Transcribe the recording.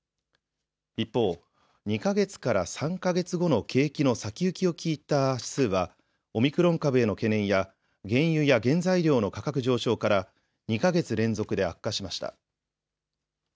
一方、２か月から３か月後の景気の先行きを聞いた指数はオミクロン株への懸念や原油や原材料の価格上昇から２か月連続で悪化しました。